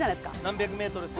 「何百メートル先」